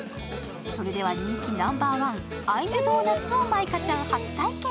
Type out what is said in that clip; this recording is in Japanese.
それでは人気ナンバーワン、Ｉ’ｍｄｏｎｕｔ？を舞香ちゃん、初体験。